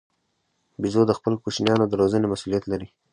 بیزو د خپلو کوچنیانو د روزنې مسوولیت لري.